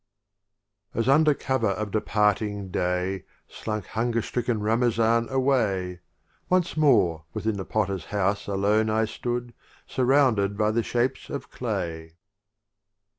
LXXXII. As under cover of departing Day Slunk hunger stricken Ramazan away, Once more within the Potter's house alone I stood, surrounded by the Shapes of Clay 3° LXXXIII.